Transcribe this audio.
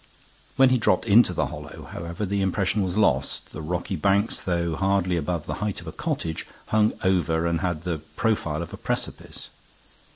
When he dropped into the hollow, however, the impression was lost; the rocky banks, though hardly above the height of a cottage, hung over and had the profile of a precipice.